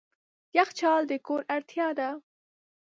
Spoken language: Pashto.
یخچال د کور اړتیا ده.